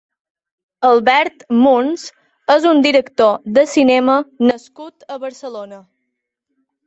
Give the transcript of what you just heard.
Albert Muns és un director de cinema nascut a Barcelona.